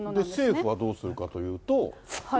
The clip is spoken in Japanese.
政府はどうするかというと。